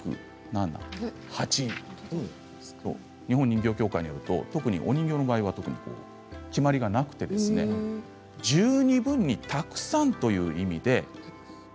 日本人形協会によると、特にお人形の場合は決まりがなくて十二分にたくさんという意味で。